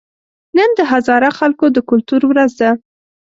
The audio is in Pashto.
نن د هزاره خلکو د کلتور ورځ ده